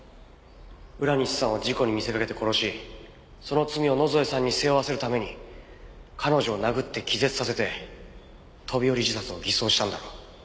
浦西さんを事故に見せかけて殺しその罪を野添さんに背負わせるために彼女を殴って気絶させて飛び降り自殺を偽装したんだろ？